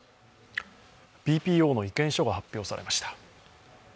ＢＰＯの意見書が発表されました。